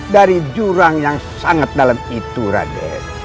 dari jurang yang sangat dalam itu raden